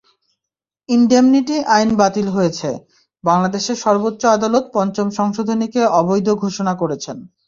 Indemnity আইন বাতিল হয়েছে, বাংলাদেশের সর্বোচ্চ আদালত পঞ্চম সংশোধনীকে অবৈধ ঘোষণা করেছেন।